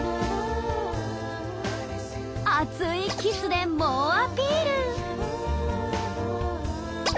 熱いキスで猛アピール。